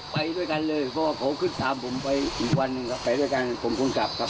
แล้วทำไมคุณทำว่าเขาถึงนั่งใจแล้วครับ